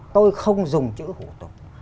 tôi không dùng chữ hủ tục